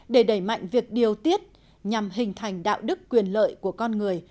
để đẩy mạnh việc điều tiết nhằm hình thành đạo đức quyền lợi của con người